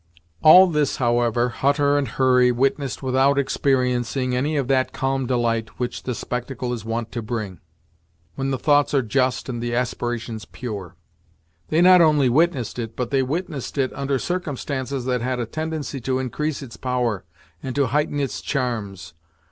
All this, however, Hutter and Hurry witnessed without experiencing any of that calm delight which the spectacle is wont to bring, when the thoughts are just and the aspirations pure. They not only witnessed it, but they witnessed it under circumstances that had a tendency to increase its power, and to heighten its charms.